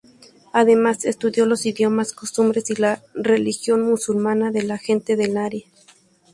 Además estudió los idiomas, costumbres y la religión musulmana de la gente del área.